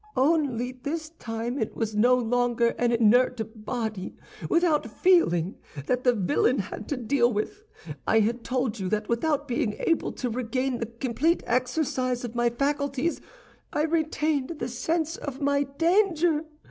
"Only this time it was no longer an inert body, without feeling, that the villain had to deal with. I have told you that without being able to regain the complete exercise of my faculties, I retained the sense of my danger.